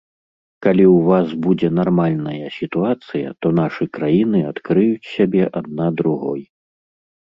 Калі ў вас будзе нармальная сітуацыя, то нашы краіны адкрыюць сябе адна другой.